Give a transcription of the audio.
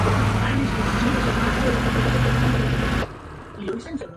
Es un eje viario que une Huesca con el Valle de Arán.